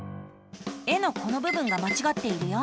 絵のこのぶぶんがまちがっているよ。